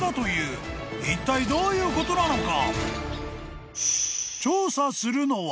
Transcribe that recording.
［いったいどういうことなのか？］